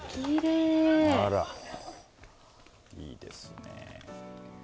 いいですね。